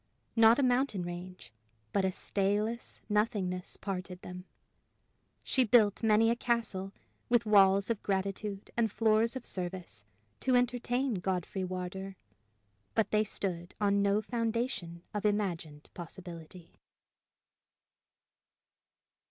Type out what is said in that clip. Not a mountain range, but a stayless nothingness parted them. She built many a castle, with walls of gratitude and floors of service to entertain Godfrey Wardour; but they stood on no foundation of imagined possibility.